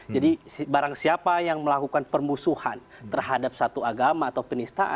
yang salah jadi berkurung pada tools dan sistem